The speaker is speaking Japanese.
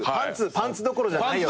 パンツどころじゃないよ。